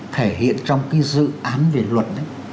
thể hiện trong dự án về luật